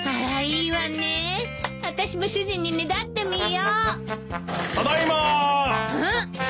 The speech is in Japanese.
うん？